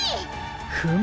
フム！